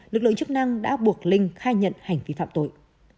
lực lượng chức năng đã buộc linh khai nhận hành vi phạm tội